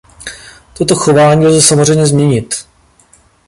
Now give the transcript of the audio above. Toto chování lze samozřejmě změnit.